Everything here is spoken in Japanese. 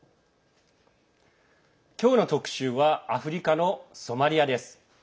今日の特集はアフリカのソマリアです。